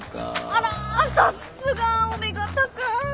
あらさっすがお目が高い。